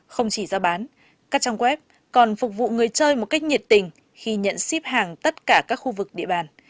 không chỉ ra bán các trang web còn phục vụ người chơi một cách nhiệt tình khi nhận ship hàng tất cả các khu vực địa bàn